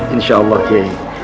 insya allah ya